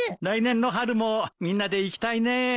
来年の春もみんなで行きたいね。